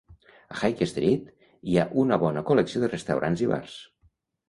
A High Street hi ha una bona col·lecció de restaurants i bars.